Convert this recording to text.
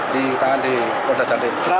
di tangan di polda jawa timur